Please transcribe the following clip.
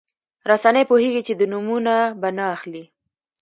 رسنۍ پوهېږي چې د نومونه به نه اخلي.